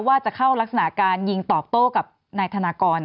ว่าจะเข้ารักษณะการยิงตอบโต้กับนายธนากร